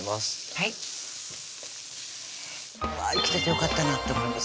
はいうわぁ生きててよかったなって思います